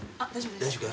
大丈夫か？